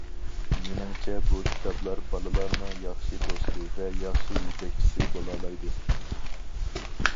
مېنىڭچە، بۇ كىتابلار بالىلارنىڭ ياخشى دوستى ۋە ياخشى يېتەكچىسى بولالايدۇ.